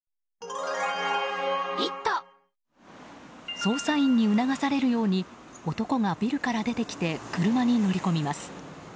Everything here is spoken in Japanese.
捜査員に促されるように男がビルから出てきて車に乗り込みます。